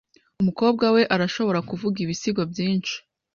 Umukobwa we arashobora kuvuga ibisigo byinshi .